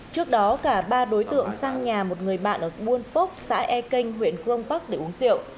trước đó cả ba đối tượng sang nhà một người bạn ở buôn phốc xã e kênh huyện crong park để uống rượu